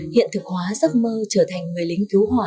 hiện thực hóa giấc mơ trở thành người lính cứu hỏa